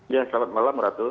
ya selamat malam ratu